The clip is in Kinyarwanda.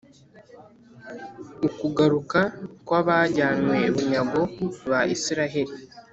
Ukugaruka kw’abajyanywe bunyago ba Israheli